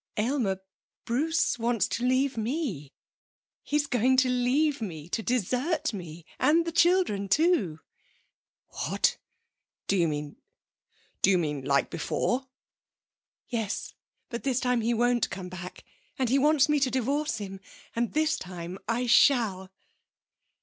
'Aylmer, Bruce wants to leave me. He's going to leave me to desert me. And the children, too.' 'What! Do you mean Do you mean like before?' 'Yes. But this time he won't come back. And he wants me to divorce him. And this time I shall!'